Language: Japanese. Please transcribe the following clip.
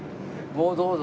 もうどうぞ。